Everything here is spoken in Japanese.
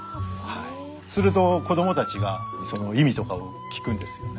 すると子どもたちがその意味とかを聞くんですよね。